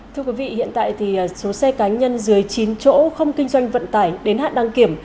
thưa quý vị hiện tại thì số xe cá nhân dưới chín chỗ không kinh doanh vận tải đến hạn đăng kiểm